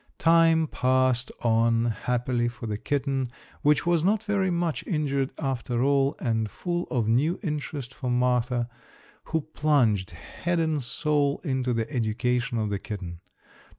Time passed on happily for the kitten, which was not very much injured after all, and full of new interest for Martha, who plunged head and soul into the education of the kitten.